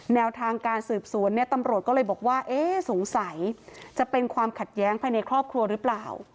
แนวทางการสืบสวนเนี่ยตำรวจก็เลยบอกว่าเอ๊ะสงสัยจะเป็นความขัดแย้งภายในครอบครัวหรือเปล่า